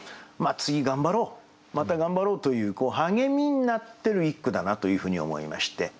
次頑張ろうまた頑張ろうという励みになってる一句だなというふうに思いまして。